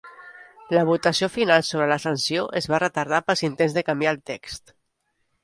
La votació final sobre la sanció es va retardar pels intents de canviar el text.